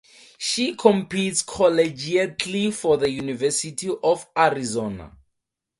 She competes collegiately for the University of Arizona.